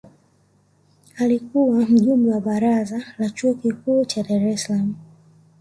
alikuwa mjumbe wa baraza la chuo kikuu cha dar es salaam